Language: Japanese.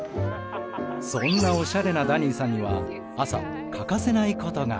そんなおしゃれなダニーさんには朝欠かせないことが。